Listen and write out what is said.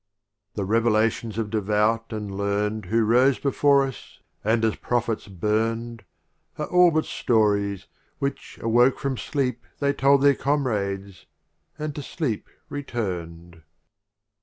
LXV. The Revelations of Devout and Learn'd Who rose before us, and as Prophets burn'd, Are all but Stories, which, awoke from Sleep They told their comrades, and to Sleep return'd.